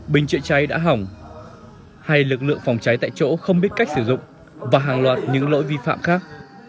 bình chữa cháy đã hỏng hay lực lượng phòng cháy tại chỗ không biết cách sử dụng và hàng loạt những lỗi vi phạm khác